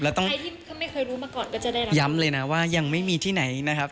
ใครที่ไม่เคยรู้มาก่อนก็จะได้รับย้ำเลยนะว่ายังไม่มีที่ไหนนะครับ